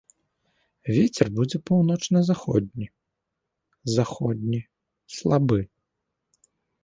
Вецер будзе паўночна-заходні, заходні слабы.